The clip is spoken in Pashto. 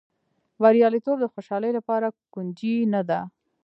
بریالیتوب د خوشالۍ لپاره کونجي نه ده.